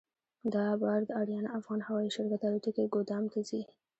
دا بار د اریانا افغان هوایي شرکت الوتکې ګودام ته ځي.